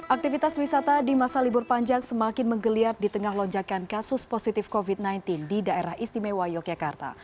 aktivitas wisata di masa libur panjang semakin menggeliat di tengah lonjakan kasus positif covid sembilan belas di daerah istimewa yogyakarta